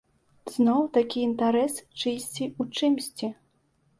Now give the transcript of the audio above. Зноў такі інтарэс чыйсьці ў чымсьці.